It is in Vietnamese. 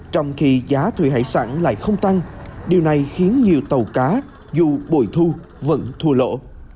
trong khi giá thủy hải sản lại không tăng điều này khiến nhiều tàu cá dù bồi thu vẫn thua lỗ